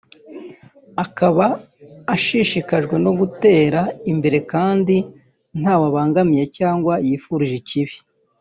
akaba ashishikajwe no gutera imbere kandi ntawe abangamiye cyangwa yifurije ikibi